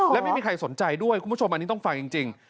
และไม่มีใครสนใจด้วยคุณผู้ชมอันนี้ต้องฟังจริง